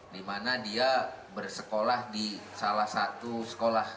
di mana dia bersekolah di salah satu sekolah